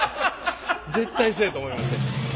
絶対そうやと思いました。